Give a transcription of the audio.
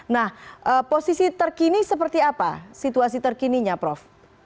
nah posisi terkini seperti apa situasi terkininya prof